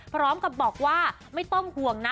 พร้อมกับบอกว่าไม่ต้องห่วงนะ